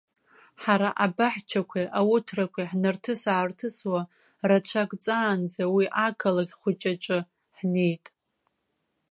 Ҳара абаҳчақәеи ауҭрақәеи ҳнарҭыс-аарҭысуа рацәак ҵаанӡа уи ақалақь хәыҷаҿы ҳнеит.